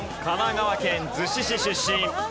神奈川子市出身。